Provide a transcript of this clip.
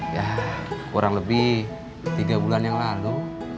ya kurang lebih tiga bulan yang lalu